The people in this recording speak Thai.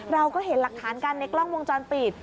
เราก็เห็นหลักฐานกันในกล้องวงจรปิด